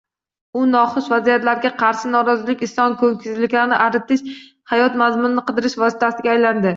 U noxush vaziyatlarga qarshi norozilik, isyon, ko‘ngilsizliklarni aritish, hayot mazmunini qidirish vositasiga aylandi